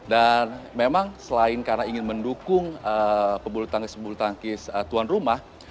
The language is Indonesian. dan memang selain karena ingin mendukung pebulu tangkis pebulu tangkis tuan rumah